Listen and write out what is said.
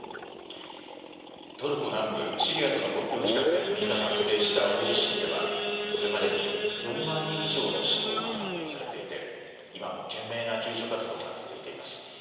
トルコ南部シリアとの国境近くで６日発生した大地震ではこれまでに４万人以上の死亡が確認されていて今も懸命な救助活動が続いています。